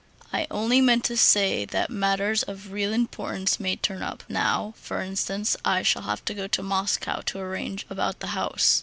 "I only meant to say that matters of real importance may turn up. Now, for instance, I shall have to go to Moscow to arrange about the house....